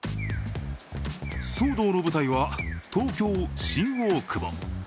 騒動の舞台は東京・新大久保。